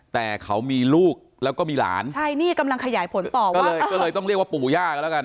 แต่เขามีลูกแล้วก็มีหลานใช่นี่กำลังขยายผลต่อก็เลยก็เลยต้องเรียกว่าปู่ย่ากันแล้วกัน